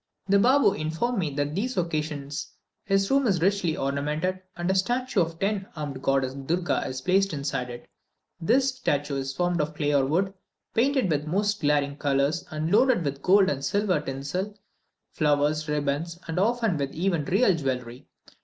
The Baboo informed me that on these occasions his room is richly ornamented, and a statue of the ten armed goddess Durga placed in it. This statue is formed of clay or wood, painted with the most glaring colours, and loaded with gold and silver tinsel, flowers, ribbons, and often with even real jewellery.